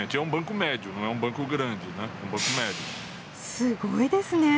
すごいですね！